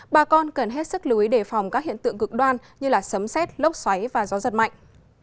bà con cần hết sức lưu ý đề phòng các hiện tượng cực đoan như sấm xét lốc xoáy và gió giật mạnh